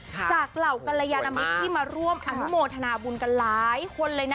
เหล่ากรยานมิตรที่มาร่วมอนุโมทนาบุญกันหลายคนเลยนะ